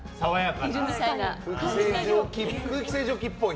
空気清浄機っぽい。